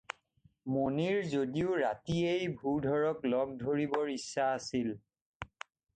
মণিৰ যদিও ৰাতিয়েই ভূধৰক লগ ধৰিবৰ ইচ্ছা আছিল।